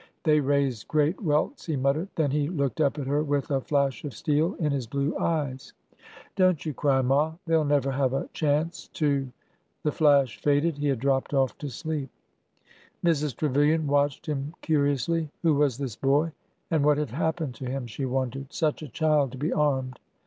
" They raised great welts," he muttered. Then he looked up at her with a flash of steel in his blue eyes. 268 ORDER NO. 11 Don't you cry, ma ! They 'll never have a — chance — to—" The flash faded. He had dropped off to sleep. Mrs. Trevilian watched him curiously. Who was this boy and what had happened to him ? she wondered. Such a child to be armed!